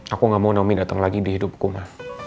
aku gak mau naomi datang lagi di hidupku ma